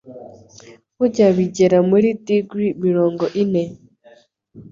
bujya bugera muri Degree mirongo ine